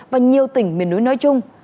và nhiều tỉnh miền núi nói chung